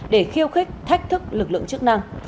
để khiêu khích thách thức lực lượng chức năng